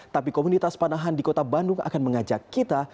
tapi komunitas panahan di kota bandung akan mengajak kita